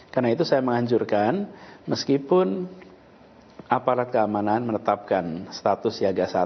karena itu saya menganjurkan meskipun aparat keamanan menetapkan status siaga satu